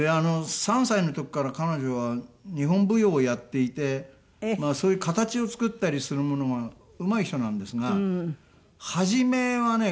３歳の時から彼女は日本舞踊をやっていてそういう形を作ったりするものがうまい人なんですが初めはね